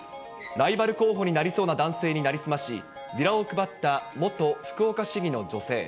ライバル候補になりそうな男性に成り済まし、ビラを配った元福岡市議の女性。